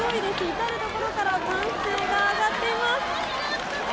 至るところから歓声が上がっています！